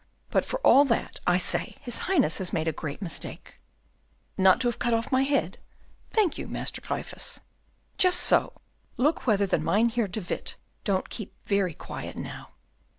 But, for all that, I say his Highness has made a great mistake." "Not to have cut off my head? thank you, Master Gryphus." "Just so, look whether the Mynheer de Witt don't keep very quiet now."